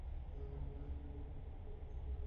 তিনি দক্ষিণ আফ্রিকার প্রথম মুসলিম নারী ডাক্তার ছিলেন।